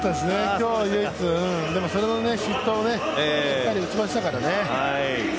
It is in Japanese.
今日唯一、その失投も、しっかり打ちましたからね。